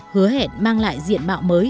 hứa hẹn mang lại diện mạo mới